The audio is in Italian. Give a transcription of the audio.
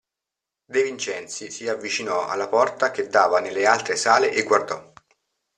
De Vincenzi si avvicinò alla porta che dava nelle altre sale e guardò.